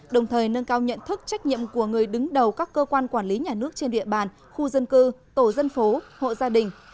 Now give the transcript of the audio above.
đồng thời nâng cao nhận thức trách nhiệm của người đứng đầu các cơ quan quản lý nhà nước trên địa bàn khu dân cư tổ dân phố hộ gia đình